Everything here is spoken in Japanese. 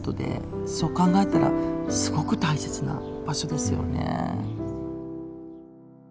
そう考えたらすごく大切な場所ですよね。